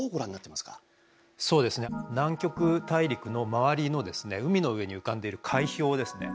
南極大陸の周りの海の上に浮かんでいる海氷ですね。